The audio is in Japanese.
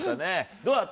どうだった？